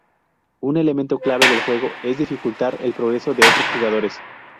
Un elemento clave del juego es dificultar el progreso de otros jugadores.